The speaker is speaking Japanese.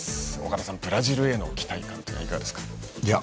岡田さん、ブラジルへの期待はいかがですか？